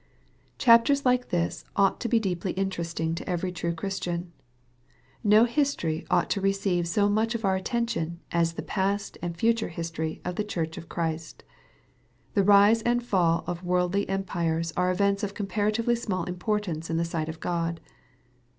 Chapters like this ought to be deeply interesting to every true Christian. No history ought to receive so much of our attention as the past and future history of the Church of Christ. The rise and fall of worldly em pires are events of comparatively small importance in the sight of God.